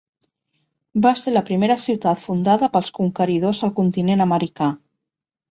Va ser la primera ciutat fundada pels conqueridors al continent americà.